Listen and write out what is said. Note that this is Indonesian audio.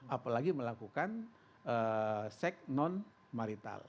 apalagi melakukan seks non marital